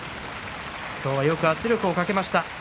今日は、よく圧力をかけました。